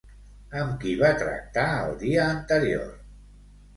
Amb qui va tractar, el dia anterior?